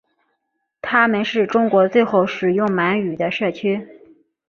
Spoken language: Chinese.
他们是中国最后使用满语的社区。